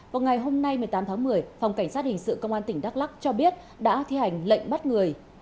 vào ngày hôm nay một mươi tám tháng một mươi phòng cảnh sát hình sự công an tỉnh đắk lắc cho biết đã thi hành lệnh bắt người